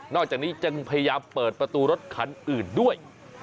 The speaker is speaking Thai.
จากนี้จึงพยายามเปิดประตูรถคันอื่นด้วย